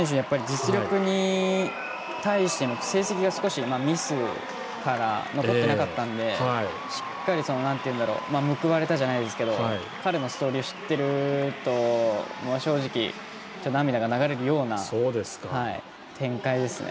実力に対しての成績が少しミスが残っていなかったんでしっかり報われたじゃないですけど彼のストーリーを知っていると正直、涙が流れるような展開ですね。